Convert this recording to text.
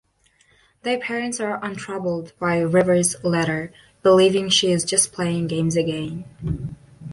Their parents are untroubled by River's letter, believing she is just playing games again.